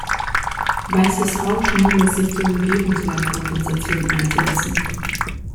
Weißes Rauschen lässt sich zur Umgebungslärmkompensation einsetzen.